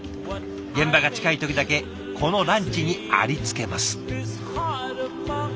現場が近い時だけこのランチにありつけます。